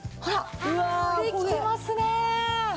できてますね。